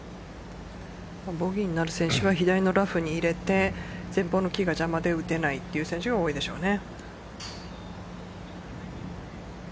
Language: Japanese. ボギーになる選手は左のラフに入れて前方の木が邪魔で打てないという選手が多いでしょうね。